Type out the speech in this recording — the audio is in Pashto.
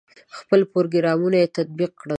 خپل پروګرامونه یې تطبیق کړل.